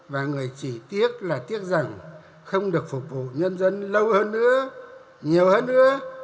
và người chỉ tiếc là tiếc rằng không được phục vụ nhân dân lâu hơn nữa nhiều hơn nữa